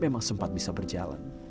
memang sempat bisa berjalan